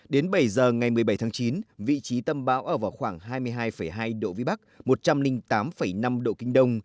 đến bảy giờ ngày một mươi bảy tháng chín vị trí tâm bão ở vào khoảng hai mươi hai hai độ vĩ bắc một trăm linh tám năm độ kinh đông